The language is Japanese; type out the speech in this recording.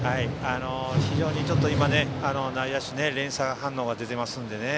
非常に今、内野手連鎖反応が出てますのでね。